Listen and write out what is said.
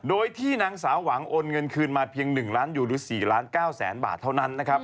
โดยที่นางสาวหวังโอนเงินคืนมาเพียง๑ล้านอยู่หรือ๔ล้าน๙แสนบาทเท่านั้นนะครับ